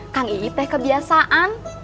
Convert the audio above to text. kang ii teh kebiasaan